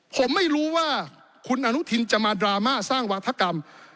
ผมไม่รู้ว่าคุณอนุทินจะมาดราม่าสร้างวาธกรรม